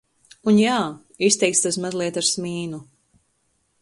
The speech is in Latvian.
Un jā, izteikts tas mazliet ar smīnu.